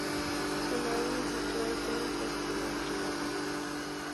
Su madre, una instructora de tenis, fue su primera entrenadora.